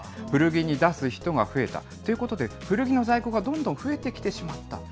古着に出す人が増えたということで、古着の在庫がどんどん増えてきてしまった。